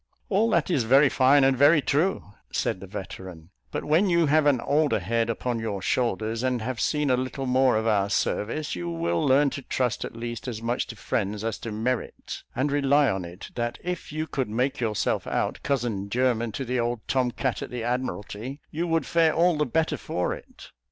"All that is very fine, and very true," said the veteran; "but when you have an older head upon your shoulders, and have seen a little more of our service, you will learn to trust at least as much to friends as to merit; and rely on it, that if you could make yourself out cousin german to the old tom cat at the Admiralty, you would fare all the better for it.